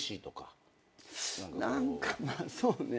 何かまあそうね。